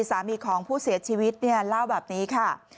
สามีของผู้เสียชีวิตเนี่ยเล่าแบบนี้ค่ะ